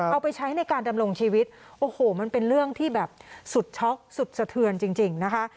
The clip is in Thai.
เอาไปใช้ในการดำรงชีวิตโอ้โหมันเป็นเรื่องที่แบบสุดช็อกสุดสะเทือนจริงนะคะ